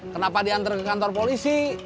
kenapa diantar ke kantor polisi